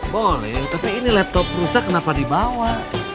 boleh tapi ini laptop rusak kenapa dibawa